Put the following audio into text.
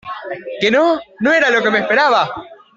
que no, no era lo que me esperaba.